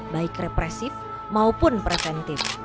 baik represif maupun presentif